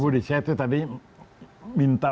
budi saya itu tadi minta